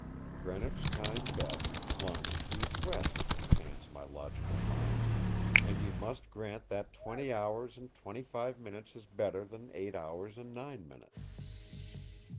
"Greenwich time best, longitude west," chants my logical mind; "and you must grant that twenty hours and twenty five minutes is better than eight hours and nine minutes."